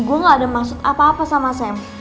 gue gak ada maksud apa apa sama sam